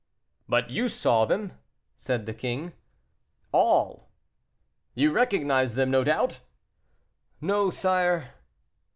"But you saw them?" said the king. "All." "You recognized them, no doubt?" "No, sire."